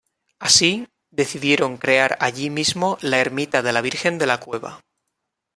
Así, decidieron crear allí mismo la ermita de la virgen de la cueva.